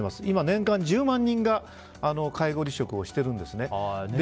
今、年間１０万人が介護離職をしてるんですね。